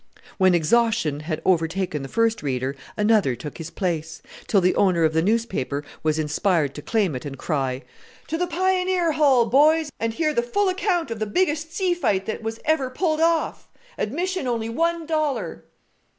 When exhaustion had overtaken the first reader another took his place, till the owner of the newspaper was inspired to claim it and cry, "To the Pioneer Hall, boys, and hear the full account of the biggest sea fight that was ever pulled off! admission only one dollar."